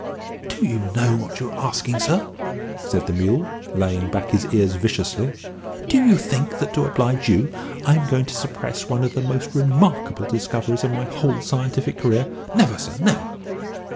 "Do you know what you're asking, sir?" said the mule, laying back his ears viciously. "Do you think that to oblige you I'm going to suppress one of the most remarkable discoveries of my whole scientific career? Never, sir never!"